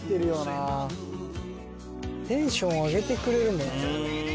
テンション上げてくれるもん。